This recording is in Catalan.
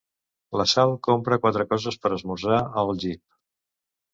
La Sal compra quatre coses per esmorzar al jeep.